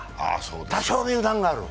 多少の油断がある。